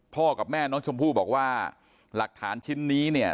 กับแม่น้องชมพู่บอกว่าหลักฐานชิ้นนี้เนี่ย